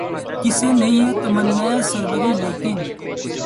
کسے نہیں ہے تمنائے سروری ، لیکن